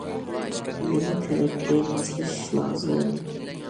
يېڭى تەلەپكە ماسلىشىش لازىم.